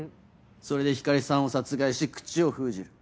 それで光莉さんを殺害し口を封じる。